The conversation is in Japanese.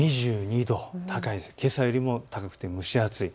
２２度、けさよりも高くて蒸し暑い。